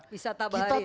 bisa tabari ya